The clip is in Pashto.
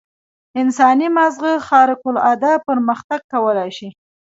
انساني ماغزه خارق العاده پرمختګ کولای شي.